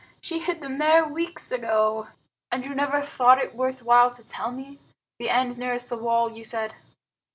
She hid them there weeks ago." "And you never thought it worth while to tell me? The end nearest the wall, you said?"